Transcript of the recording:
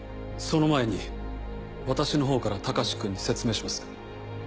その前に私のほうから隆君に説明します。